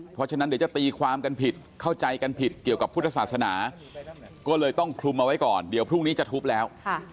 เพราะฉะนั้นเดี๋ยวจะตีความกันผิดเข้าใจกันผิดเกี่ยวกับพุทธศาสนาก็เลยต้องคลุมเอาไว้ก่อนเดี๋ยวพรุ่งนี้จะทุบแล้ว